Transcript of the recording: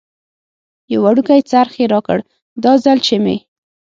یو وړوکی څرخ یې راکړ، دا ځل چې مې.